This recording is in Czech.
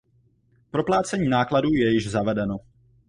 Proplácení nákladů je již zavedeno.